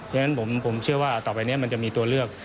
ฉะนั้นผมเชื่อว่าต่อไปนี้มันจะมีตัวเลือก